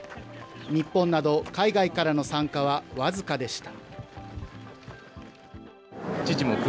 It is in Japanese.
日本など海外からの参加は僅かでした。